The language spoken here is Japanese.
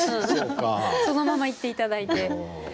そのまま行っていただいて。